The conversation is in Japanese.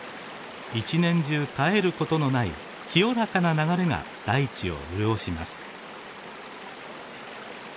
一年中絶えることのない清らかな流れが大地を潤します。